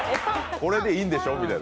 これでいいんでしょ？みたいな。